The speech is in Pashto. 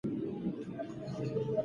سپوږمۍ د ملکیار په شعر کې څه رول لري؟